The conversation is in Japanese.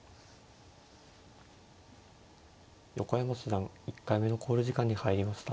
横山七段１回目の考慮時間に入りました。